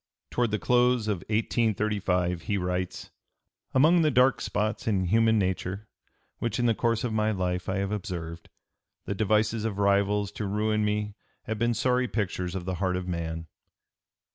Toward the close of 1835 he writes: "Among the dark spots in human nature which in the course of my life I have observed, the devices of rivals to ruin me have been sorry pictures of the heart of man....